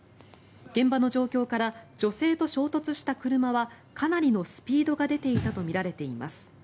現場の状況から女性と衝突した車はかなりのスピードが出ていたとみられています。